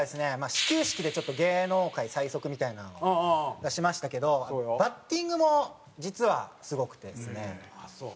始球式で芸能界最速みたいなのを出しましたけどバッティングも実はすごくてですね。